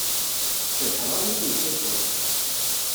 Tcebḥeḍ armi tmessuseḍ!